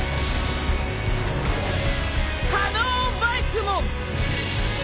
カノーヴァイスモン！